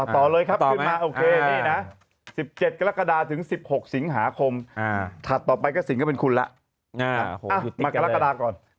ต่อเลยครับควรมาโอเคนะ๑๗กรกฎาถึง๑๖สิงหาคมถัดต่อไปก็สิงหาคมก็เป็นคุณล่ะ